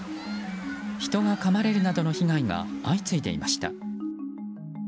人がかまれるなどの被害が相次いでいました。